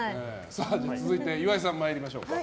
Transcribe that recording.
続いて岩井さん、参りましょうか。